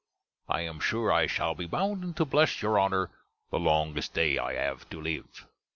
I am sure I shall be bounden to bless your Honner the longest day I have to live.